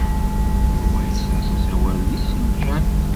Yuba yessers asawal-nni s ljehd.